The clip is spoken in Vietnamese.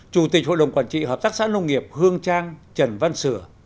chủ tịch hội đồng quản trị hợp tác xã nông nghiệp hương trang trần văn sửa